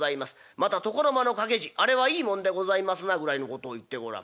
また床の間の掛け軸あれはいいもんでございますな』ぐらいのことを言ってごらん。